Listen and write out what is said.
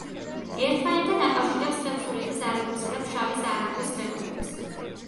ერთმანეთთან აკავშირებს ხევსურეთის არაგვისა და ფშავის არაგვის ხეობებს.